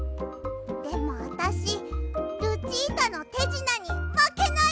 でもあたしルチータのてじなにまけないもん！